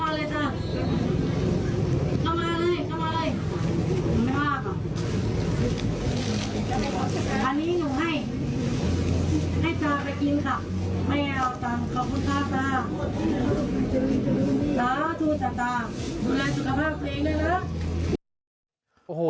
ดูแลสุขภาพไปกันด้วยนะ